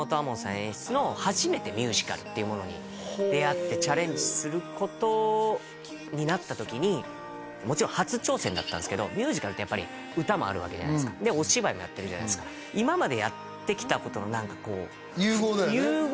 門さん演出の初めてミュージカルっていうものに出会ってチャレンジすることになった時にもちろん初挑戦だったんですけどミュージカルってやっぱり歌もあるわけじゃないですかお芝居もやってるじゃないですか今までやってきたことの何かこう融合だよね